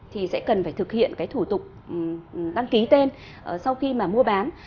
thì sẽ cần phải thực hiện cái thủ tục đăng ký tên sau khi mà mua bán